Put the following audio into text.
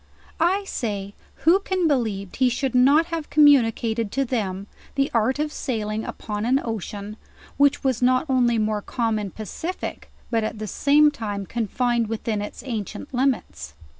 I say, who can believe he should not have communicated to them the art of sailing upon an ocean, 166 JOURNAL OF which was not only more calm and pacific, but at the same time confined within its ancient limits'?